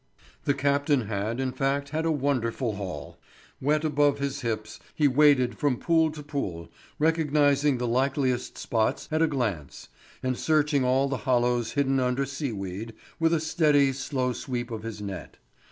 The captain had, in fact, had a wonderful haul. Wet above his hips he waded from pool to pool, recognizing the likeliest spots at a glance, and searching all the hollows hidden under sea weed, with a steady slow sweep of his net.